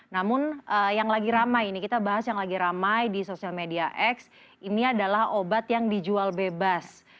namun yang lagi ramai ini kita bahas yang lagi ramai di sosial media x ini adalah obat yang dijual bebas